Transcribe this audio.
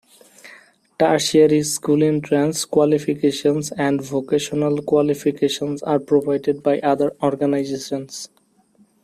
Tertiary school entrance qualifications and vocational qualifications are provided by other organizations.